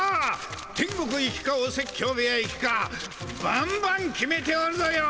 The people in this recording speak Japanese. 天国行きかお説教部屋行きかばんばん決めておるぞよ！